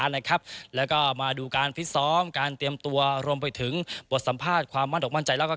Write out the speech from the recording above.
นะครับแล้วก็มาดูการฟิตซ้อมการเตรียมตัวรวมไปถึงบทสัมภาษณ์ความมั่นอกมั่นใจแล้วก็